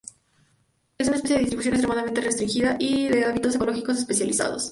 Es una especie de distribución extremadamente restringida y de hábitos ecológicos especializados.